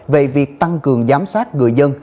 về việc tăng cường giám sát gửi dịch